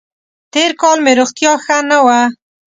تېر کال مې روغتیا ښه نه وه.